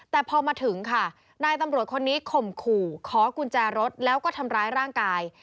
แต่พอมาถึงค่ะนายตำรวจคนนี้ข่มขู่ขอกุญแจรถแล้วก็ทำร้ายร่างกาย